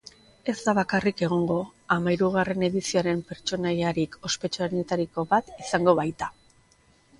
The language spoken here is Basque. Ez da bakarrik egongo, hamahirugarren edizioaren pertsonaiarik ospetsuenetariko bat izango baita.